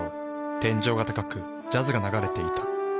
天井が高くジャズが流れていた。